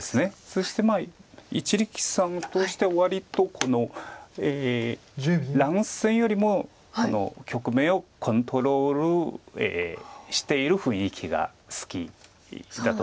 そして一力さんとしては割とこの乱戦よりも局面をコントロールしている雰囲気が好きだと思います。